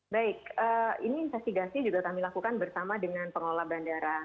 baik ini investigasi juga kami lakukan bersama dengan pengelola bandara